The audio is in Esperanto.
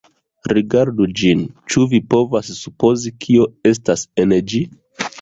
Rigardu ĝin; ĉu vi povas supozi kio estas en ĝi?